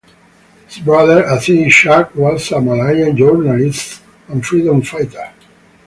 His brother, Aziz Ishak, was a Malayan journalist and freedom fighter.